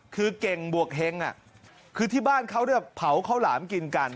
คือเก่งบวกเฮงคือที่บ้านเขาเนี่ยเผาข้าวหลามกินกัน